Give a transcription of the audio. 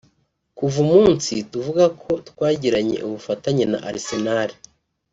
Kuva umunsi tuvuga ko twagiranye ubufatanye na Arsenal